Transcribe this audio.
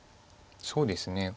そうですね。